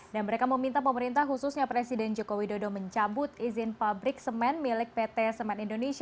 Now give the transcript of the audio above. dan mereka meminta pemerintah khususnya presiden joko widodo mencabut izin pabrik semen milik pt semen indonesia